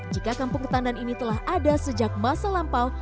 jika kampung ketandan ini telah ada sejak masa lampau